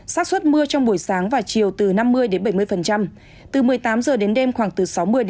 sát xuất mưa trong buổi sáng và chiều từ năm mươi đến bảy mươi từ một mươi tám h đến đêm khoảng từ sáu mươi ba mươi